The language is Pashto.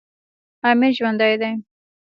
امیر ژوندی دی.